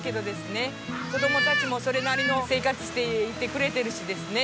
子供たちもそれなりの生活をしていてくれてるしですね。